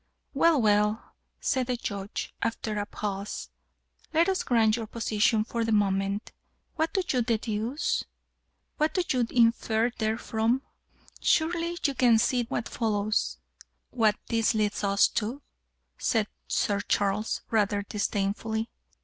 "Well, well," said the Judge, after a pause, "let us grant your position for the moment. What do you deduce? What do you infer therefrom?" "Surely you can see what follows what this leads us to?" said Sir Charles, rather disdainfully.